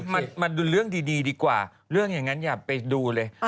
มันให้มันดูเรื่องดีดีดีกว่าเรื่องอย่างงั้นอย่าไปดู